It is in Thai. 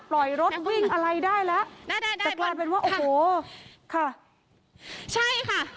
ปล่อยรถวิ่งอะไรได้แล้วแต่กลายเป็นว่าโอ้โหค่ะใช่ค่ะ